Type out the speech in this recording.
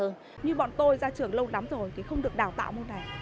như bọn tôi ra trường lâu lắm rồi thì không được đào tạo môn này